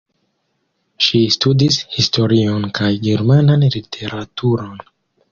Ŝi studis historion kaj Germanan literaturon.